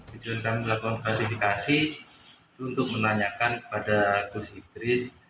video yang kami lakukan verifikasi itu untuk menanyakan kepada kursi idris